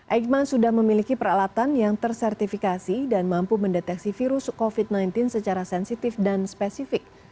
eijkman sudah memiliki peralatan yang tersertifikasi dan mampu mendeteksi virus covid sembilan belas secara sensitif dan spesifik